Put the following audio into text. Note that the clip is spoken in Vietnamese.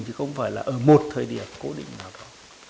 thì không phải là ở một thời điểm cố định nào đó